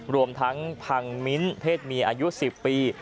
รวมทั้งพังมิ้นเพศเมียอายุ๑๐ปี